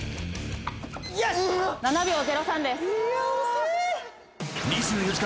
７秒０３です。